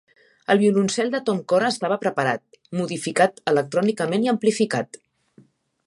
El violoncel de Tom Cora estava preparat, modificat electrònicament i amplificat.